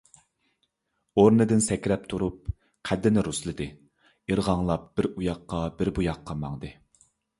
ئورنىدىن سەكرەپ تۇرۇپ، قەددىنى رۇسلىدى، ئىرغاڭلاپ بىر ئۇ ياققا - بىر بۇ ياققا ماڭدى.